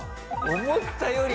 思ったより。